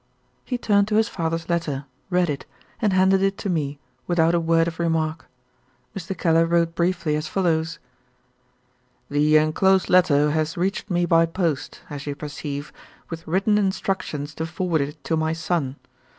He turned to his father's letter; read it; and handed it to me without a word of remark. Mr. Keller wrote briefly as follows: "The enclosed letter has reached me by post, as you perceive, with written instructions to forward it to my son.